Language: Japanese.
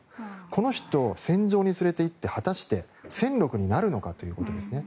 この人を戦場に連れて行って果たして、戦力になるのかということですね。